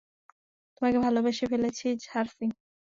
তোমাকে ভালোবেসে ফেলেছি, সার্সি।